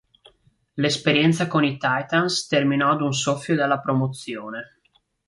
L'esperienza con i Titans terminò ad un soffio dalla promozione.